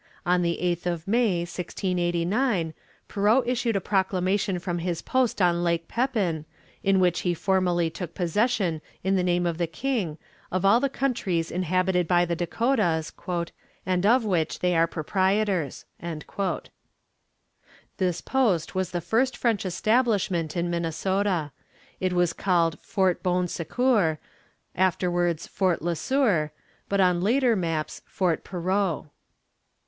On the 8th of May, 1689, Perot issued a proclamation from his post on Lake Pepin, in which he formally took possession in the name of the king of all the countries inhabited by the Dakotas, "and of which they are proprietors." This post was the first French establishment in Minnesota. It was called Fort Bon Secours, afterwards Fort Le Sueur, but on later maps Fort Perot.